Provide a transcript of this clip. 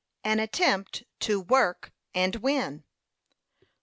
AN ATTEMPT TO WORK AND WIN.